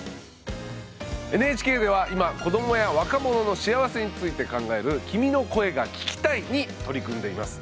ＮＨＫでは今子どもや若者の幸せについて考える「君の声が聴きたい」に取り組んでいます。